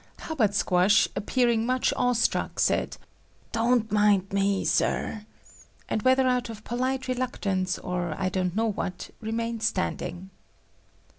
Hubbard Squash, appearing much awe struck, said; "Don't mind me, Sir," and whether out of polite reluctance or I don't know what, remained standing.